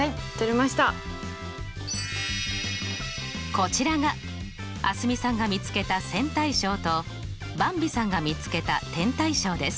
こちらが蒼澄さんが見つけた線対称とばんびさんが見つけた点対称です。